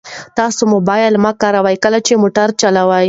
تاسو موبایل مه کاروئ کله چې موټر چلوئ.